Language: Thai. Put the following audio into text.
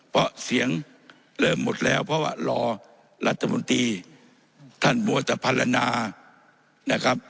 เพราะเสียงเริ่มหมดแล้วเพราะว่ารัฐมนตรีท่านบวชภารณา